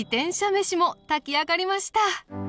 めしも炊き上がりました。